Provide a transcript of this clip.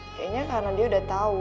kayaknya karena dia udah tahu